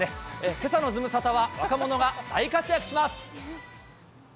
けさのズムサタは、若者が大活躍します。